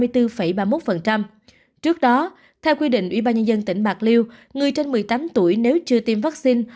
trước đó theo quy định ủy ban nhân dân tỉnh bạc liêu người trên một mươi tám tuổi nếu chưa tiêm vaccine